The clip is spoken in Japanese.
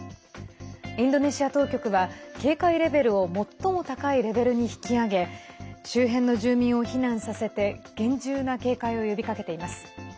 インドネシア当局は警戒レベルを最も高いレベルに引き上げ周辺の住民を避難させて厳重な警戒を呼びかけています。